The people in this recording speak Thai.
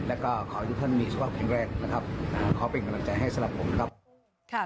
แล้วก็ขอให้ทุกท่านมีสุขภาพแข็งแรงนะครับขอเป็นกำลังใจให้สำหรับผมครับ